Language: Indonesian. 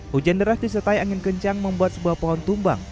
hujan deras disertai angin kencang membuat sebuah pohon tumbang